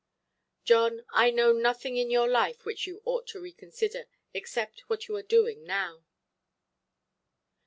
"John, I know nothing in your life which you ought to reconsider, except what you are doing now".